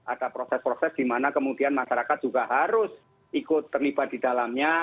ada proses proses di mana kemudian masyarakat juga harus ikut terlibat di dalamnya